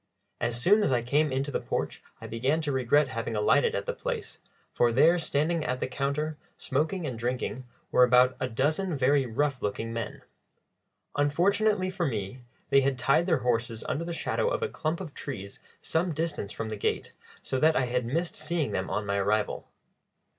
As soon as I came into the porch I began to regret having alighted at the place, for there, standing at the counter, smoking and drinking, were about a dozen very rough looking men. Unfortunately for me, they had tied their horses under the shadow of a clump of trees some distance from the gate, so that I had missed seeing them on my arrival.